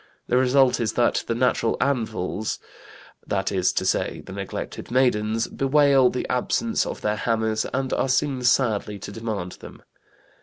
The result is that "the natural anvils," that is to say the neglected maidens, "bewail the absence of their hammers and are seen sadly to demand them."